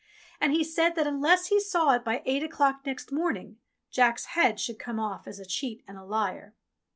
And he said that unless he saw it by eight o'clock next morning Jack's head should come off as a cheat and a liar.